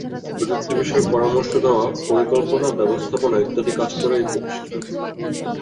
প্রযুক্তি বিষয়ে পরামর্শ দেওয়া, পরিকল্পনা, ব্যবস্থাপনা ইত্যাদি কাজ করে এই প্রতিষ্ঠান।